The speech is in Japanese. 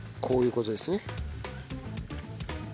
こういう事ですね。